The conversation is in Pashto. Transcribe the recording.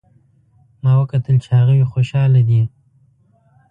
ما وکتل چې هغوی خوشحاله دي